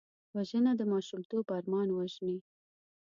وژنه د ماشومتوب ارمان وژني